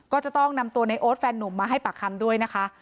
ก็จะต้องนำตัวในโอ๊ตแฟนนุ่มมาให้ปากคำด้วยนะคะ